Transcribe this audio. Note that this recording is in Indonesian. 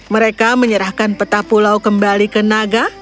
mereka menyerahkan peta pulau kembali ke naga